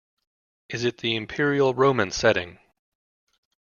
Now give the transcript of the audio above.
Is it the Imperial Roman setting?